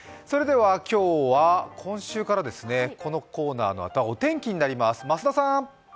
今週からこのコーナーのあとはお天気になります、増田さん！